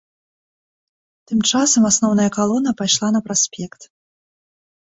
Тым часам асноўная калона пайшла на праспект.